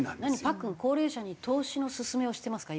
パックン高齢者に投資の勧めをしてますか？